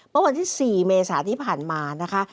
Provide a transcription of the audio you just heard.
เมื่อวันที่๔เมษาที่ผ่านมานะคะ